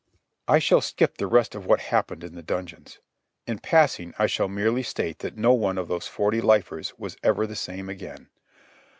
I shall skip the rest of what happened in the dungeons. In passing I shall merely state that no one of those forty lifers was ever the same again.